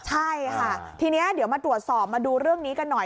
ใช่ค่ะทีนี้เดี๋ยวมาตรวจสอบมาดูเรื่องนี้กันหน่อย